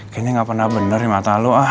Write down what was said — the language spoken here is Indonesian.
kayaknya nggak pernah bener nih mata lo